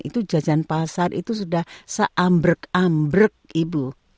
itu jajan pasar itu sudah se ambrk ambrk ibu